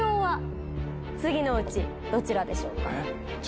次のうちどちらでしょうか？